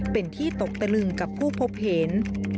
เป็นที่ตกตะลึงกับผู้พบเห็น